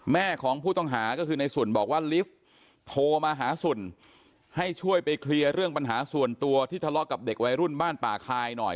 แม่ของผู้ต้องหาก็คือในสุนบอกว่าลิฟต์โทรมาหาสุ่นให้ช่วยไปเคลียร์เรื่องปัญหาส่วนตัวที่ทะเลาะกับเด็กวัยรุ่นบ้านป่าคายหน่อย